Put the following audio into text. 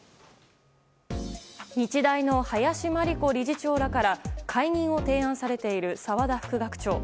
日大の林真理子理事長らから解任を提案されている澤田副学長。